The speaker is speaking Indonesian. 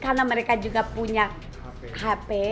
karena mereka juga punya hp